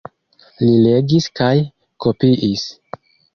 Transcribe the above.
Li legis kaj kopiis.